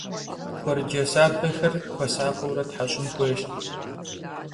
Xuerece şabexer xuesakhıure theş'ın xuêyş.